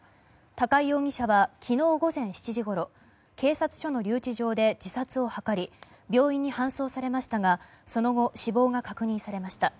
高井容疑者は昨日午前７時ごろ警察署の留置場で自殺を図り病院に搬送されましたがその後、死亡が確認されました。